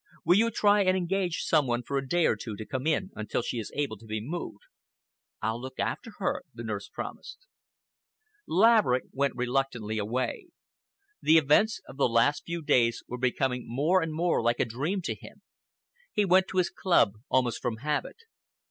Will you try and engage some one for a day or two to come in until she is able to be moved?" "I'll look after her," the nurse promised. Laverick went reluctantly away. The events of the last few days were becoming more and more like a dream to him. He went to his club almost from habit.